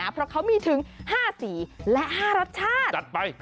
เพราะมีถึง๕สีและ๕รสชาติ